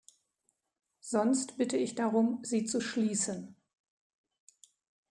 Sonst bitte ich darum, sie zu schließen.